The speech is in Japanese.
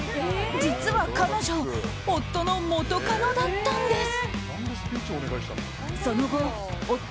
実は彼女夫の元カノだったんです。